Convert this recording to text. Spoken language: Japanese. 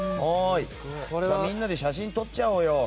みんなで写真撮っちゃおうよ。